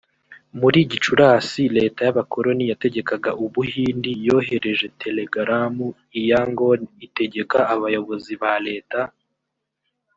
muri gicurasi leta y abakoloni yategekaga u buhindi yohereje telegaramu i yangon itegeka abayobozi ba leta